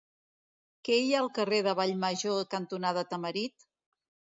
Què hi ha al carrer Vallmajor cantonada Tamarit?